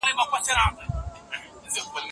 زه نه غواړم چې بې کاره پاتې شم.